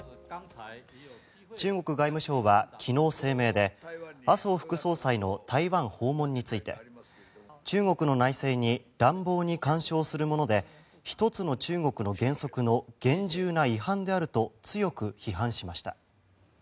中国外務省は昨日、声明で麻生副総裁の台湾訪問について中国の内政に乱暴に干渉するもので一つの中国の原則の厳重な違反であると強く批判しました。